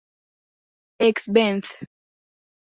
Ex Benth.